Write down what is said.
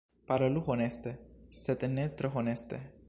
Parolu honeste... sed ne tro honeste.